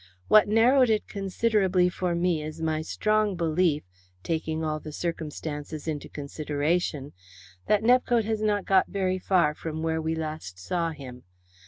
What narrowed it considerably for me is my strong belief, taking all the circumstances into consideration, that Nepcote has not got very far from where we last saw him.